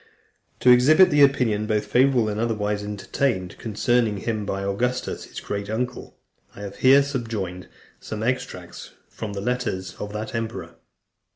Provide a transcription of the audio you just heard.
To exhibit the opinion, both favourable and otherwise, entertained concerning him by Augustus, his great uncle, I have here subjoined some extracts from the letters of that emperor.